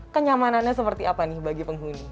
kenyamanannya seperti apa nih bagi penghuni